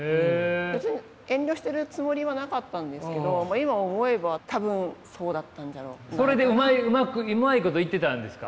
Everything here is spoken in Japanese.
別に遠慮してるつもりはなかったんですけど今思えば多分そうだったんじゃ。それでうまいこといってたんですか？